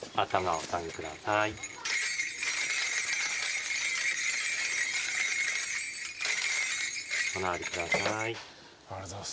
お直りください。